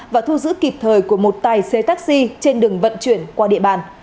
và thu giữ kịp thời của một tài xế taxi trên đường vận chuyển qua địa bàn